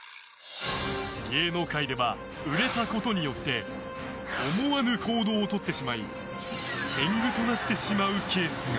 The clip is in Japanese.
芸能界では売れたことによって思わぬ行動をとってしまい天狗となってしまうケースが。